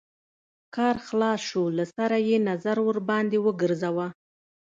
کار خلاص شو له سره يې نظر ورباندې وګرځوه.